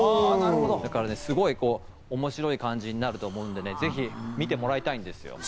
だから面白い感じになると思うので、ぜひ見てもらいたいんですよ。